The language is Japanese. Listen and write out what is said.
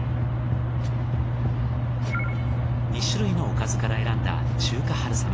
２種類のおかずから選んだ中華春雨。